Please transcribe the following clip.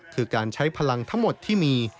คือการใช้พลังทั้งหมดที่มี